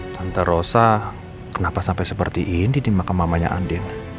tante rosa kenapa sampai seperti ini di makam mamanya andina